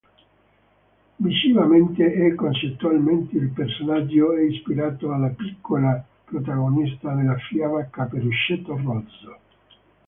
Visivamente e concettualmente il personaggio è ispirato alla piccola protagonista della fiaba "Cappuccetto Rosso".